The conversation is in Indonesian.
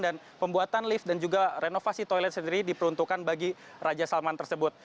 dan pembuatan lift dan juga renovasi toilet sendiri diperuntukkan bagi raja salman tersebut